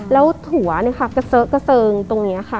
แล้วถั่วเนี่ยค่ะกระเซอะกระเซิงตรงนี้ค่ะ